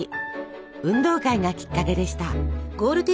運動会がきっかけでした。